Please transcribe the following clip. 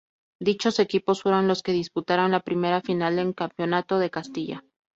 Dichos equipos fueron los que disputaron la primera final del Campeonato de Castilla.